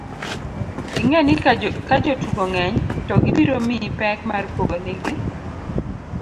ing'e ni kajotugo ng'eny to gibiro miyi pek mar pogo nigi